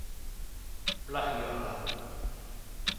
Plagioa da.